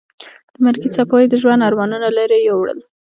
د مرګي څپو یې د ژوند ارمانونه لرې یوړل.